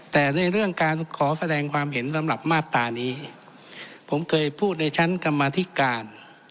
แต่ในเรื่องการขอแสดงความเห็นสำหรับมาตรานี้ผมเคยพูดในชั้นกรรมธิการ